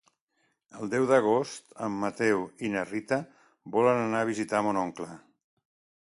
El deu d'agost en Mateu i na Rita volen anar a visitar mon oncle.